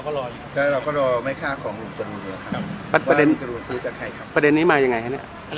ก็ต้องรอว่าอาจจะมีไฟส์มาก็ได้เราก็รอ